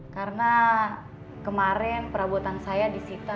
karena kemarin perabotan saya disitakan